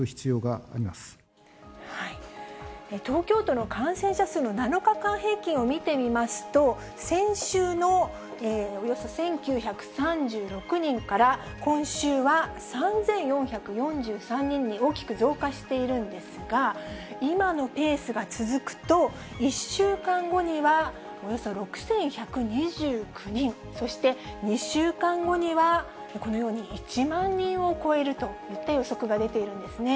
東京都の感染者数の７日間平均を見てみますと、先週のおよそ１９３６人から、今週は３４４３人に大きく増加しているんですが、今のペースが続くと、１週間後にはおよそ６１２９人、そして２週間後にはこのように１万人を超えるといった予測が出ているんですね。